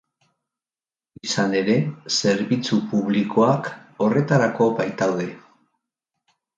Izan ere, zerbitzu publikoak horretarako baitaude.